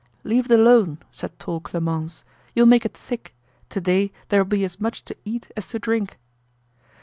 "Leave it alone," said tall Clemence; "you'll make it thick. To day there'll be as much to eat as to drink."